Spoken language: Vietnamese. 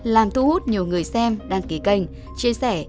làm thu hút nhiều người xem đăng ký kênh chia sẻ